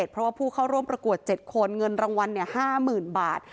เพราะว่าผู้เข้าร่วมประกวด๗คนเงินรางวัล๕๐๐๐บาท